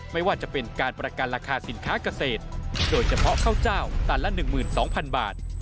ไม่ว่าจะเป็นการประกันราคาสินค้าเกษตรโดยเฉพาะข้าวเจ้าตันละ๑๒๐๐๐บาท